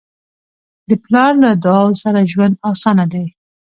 د پلار له دعاؤ سره ژوند اسانه دی.